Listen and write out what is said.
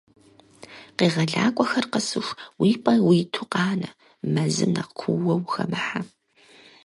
Къегъэлакӏуэхэр къэсыху, уи пӏэ уиту къанэ, мэзым нэхъ куууэ ухэмыхьэ.